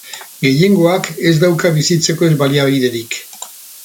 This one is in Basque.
Gehiengoak ez dauka bizitzeko baliabiderik.